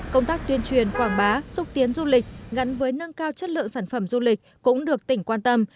công tác tuyên truyền quảng bá xúc tiến du lịch gắn với nâng cao chất lượng sản phẩm du lịch cũng được tỉnh quan tâm